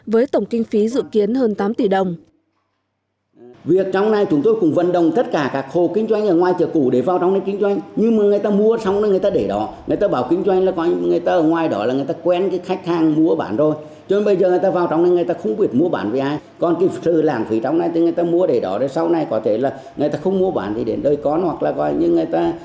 với tổng kinh phí dự kiến hơn tám tỷ đồng